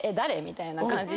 みたいな感じ